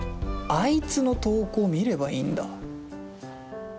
あいつの投稿見ればいいんだ。